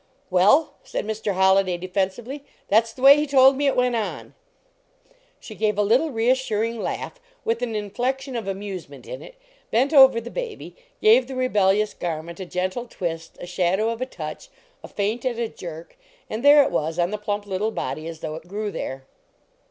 "Well," said Mr. Holliday, defensively, "that s the way he told me it went on !" She gave a little reassuring laugh with an inflection of amusement in it, bent over the baby, gave the rebellious garment a gentle twist, a shadow of a touch, a feint at a jerk, and there it was on the plump little body as though it grew there.